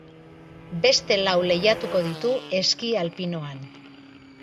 Beste lau lehiatuko ditu, eski alpinoan.